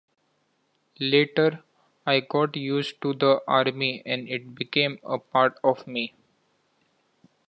Later I got used to the army, and it became a part of me.